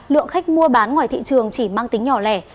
lượng khách mua bán ngoài thị trường chỉ mang tính nhỏ lẻ